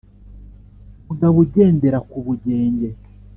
Mugabo ugendera ku bugenge